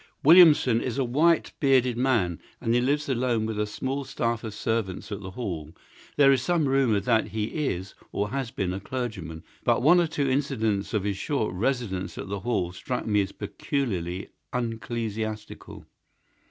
Williamson is a white bearded man, and he lives alone with a small staff of servants at the Hall. There is some rumour that he is or has been a clergyman; but one or two incidents of his short residence at the Hall struck me as peculiarly unecclesiastical.